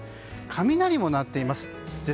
雷も鳴っています。